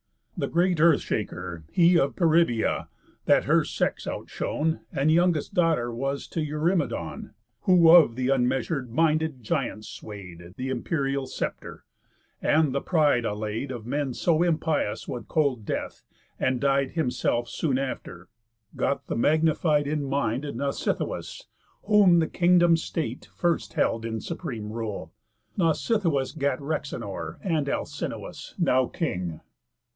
The great Earth shaker, he Of Peribœa (that her sex out shone, And youngest daughter was t' Eurymedon, Who of th' unmeasur'd minded giants sway'd Th' imperial sceptre, and the pride allay'd Of men so impious with cold death, and died Himself soon after) got the magnified In mind, Nausithous; whom the kingdom's state First held in supreme rule. Nausithous gat Rhexenor, and Alcinous, now king.